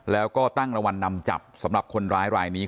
แล้วก็ตั้งรางวัลนำจับสำหรับคนร้ายรายนี้